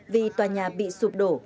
vì tòa nhà bị sụp đổ